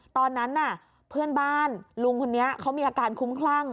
ตอนนั้นน่ะเพื่อนบ้านลุงคนนี้เขามีอาการคุ้มคลั่ง